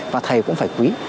và thầy cũng phải quý